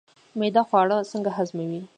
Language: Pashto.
معده خواړه څنګه هضموي